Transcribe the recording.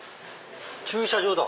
駐車場だ。